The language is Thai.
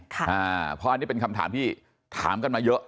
เพราะอันนี้เป็นคำถามที่ถามกันมาเยอะ